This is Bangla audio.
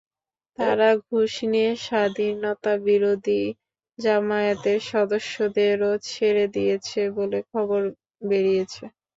তারা ঘুষ নিয়ে স্বাধীনতাবিরোধী জামায়াতের সদস্যদেরও ছেড়ে দিয়েছে বলে খবর বেরিয়েছে।